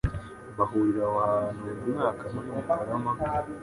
bahurira aho hantu buri mwaka muri Mutarama,